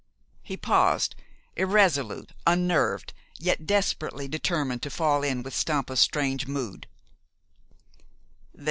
He paused, irresolute, unnerved, yet desperately determined to fall in with Stampa's strange mood.